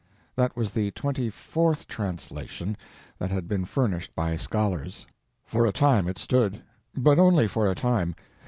That was the twenty fourth translation that had been furnished by scholars. For a time it stood. But only for a time.